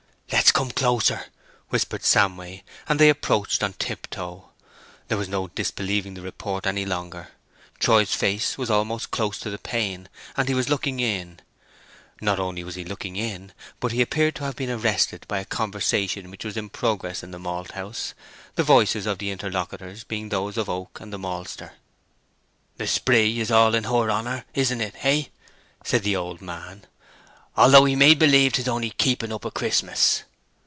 "Let's come closer," whispered Samway; and they approached on tiptoe. There was no disbelieving the report any longer. Troy's face was almost close to the pane, and he was looking in. Not only was he looking in, but he appeared to have been arrested by a conversation which was in progress in the malt house, the voices of the interlocutors being those of Oak and the maltster. "The spree is all in her honour, isn't it—hey?" said the old man. "Although he made believe 'tis only keeping up o' Christmas?"